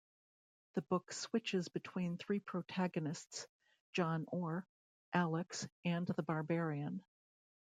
The book switches between three protagonists, John Orr, Alex, and the Barbarian.